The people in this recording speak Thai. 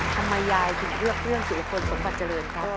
ทำไมยายถึงเลือกเรื่องสุรพลสมบัติเจริญครับ